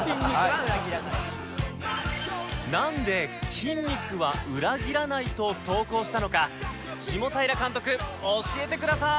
なんで「筋肉は裏切らない」と投稿したのか下平監督教えてください！